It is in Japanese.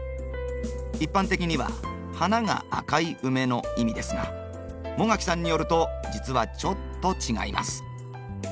一般的には花が赤いウメの意味ですが茂垣さんによると実はちょっと違います。